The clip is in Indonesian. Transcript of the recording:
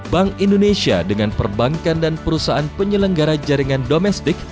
bank indonesia dengan perbankan dan perusahaan penyelenggara jaringan domestik